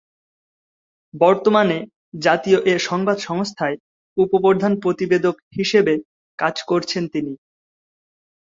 বর্তমানে জাতীয় এ সংবাদ সংস্থায় উপ-প্রধান প্রতিবেদক হিসেবে কাজ করছেন তিনি।